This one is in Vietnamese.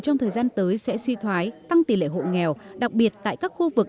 trong thời gian tới sẽ suy thoái tăng tỷ lệ hộ nghèo đặc biệt tại các khu vực